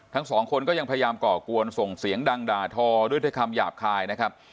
ทั้งสองคนก็ยังพยายามก่อกวนส่งเสียงดังด่าทอด้วยคำหยาบคายนะครับ